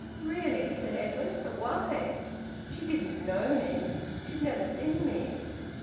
"Really!" said Edwin. "But why? She didn't know me. She'd never seen me."